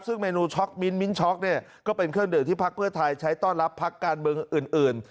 ซึ่งเมนูช็อกมิ้นมิ้นช็อกเนี่ยก็เป็นเครื่องดื่มที่พักเพื่อไทยใช้ต้อนรับพักการเมืองอื่น